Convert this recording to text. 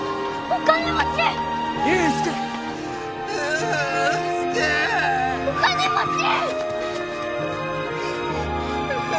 お金持ち！